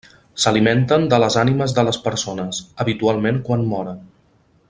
S'alimenten de les ànimes de les persones, habitualment quan moren.